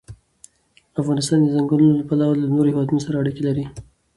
افغانستان د چنګلونه له پلوه له نورو هېوادونو سره اړیکې لري.